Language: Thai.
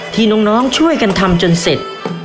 ที่น้องช่วยกันทำจนเสร็จ